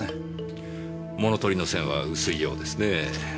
物盗りの線は薄いようですねぇ。